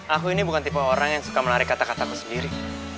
aku ini bukan tipe orang yang suka menarik kata kataku sendiri